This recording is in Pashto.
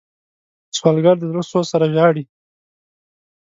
سوالګر د زړه سوز سره ژاړي